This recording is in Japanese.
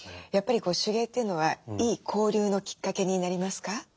やっぱり手芸というのはいい交流のきっかけになりますか？